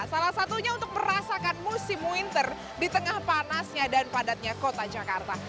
salah satunya untuk merasakan musim winter di tengah panasnya dan padatnya kota jakarta